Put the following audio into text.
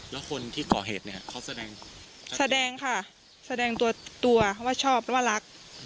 แล้วคนที่ก่อเหตุเนี่ยเขาแสดงแสดงค่ะแสดงตัวตัวเขาว่าชอบแต่ว่ารัก